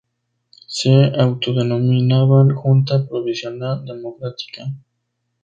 Se autodenominaban Junta Provisional Democrática.